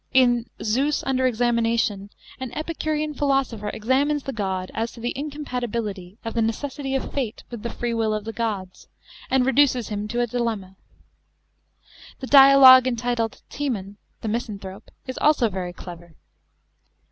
In Zeus under Examination* an Epicurean philosopher examines the god as to the incom patibility of the necessity of fate with the free will of the gods, and reduces him to a dilemma. The dialogue entitled Timon (the misanthrope) is also very clever.